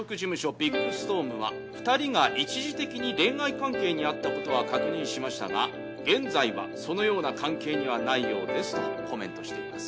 ビッグスト２人が一時的に恋愛関係にあったことは確認しましたが現在はそのような関係にはないようですとコメントしています。